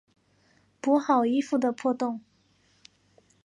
补好衣服的破洞